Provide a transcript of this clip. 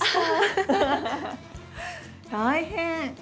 大変。